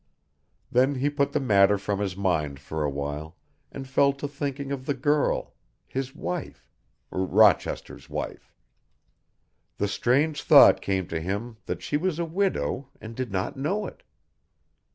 Then he put the matter from his mind for a while, and fell to thinking of the girl his wife Rochester's wife. The strange thought came to him that she was a widow and did not know it.